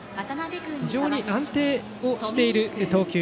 非常に安定している投球。